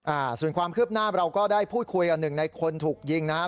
อ่าส่วนความคืบหน้าเราก็ได้พูดคุยกับหนึ่งในคนถูกยิงนะครับ